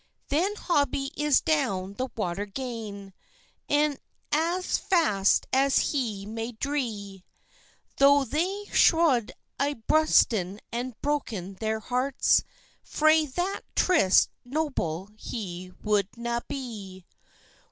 Then Hobie is down the water gane, E'en as fast as he may drie; Tho' they shoud a' brusten and broken their hearts, Frae that tryst Noble he would na be.